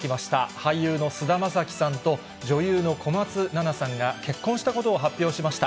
俳優の菅田将暉さんと、女優の小松菜奈さんが結婚したことを発表しました。